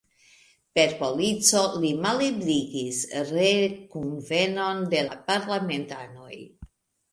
Per polico li malebligis re-kunvenon de la parlamentanoj.